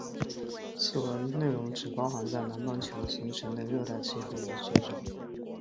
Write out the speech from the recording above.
此文内容只包含在南半球形成的热带气旋的介绍。